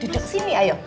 duduk sini ayo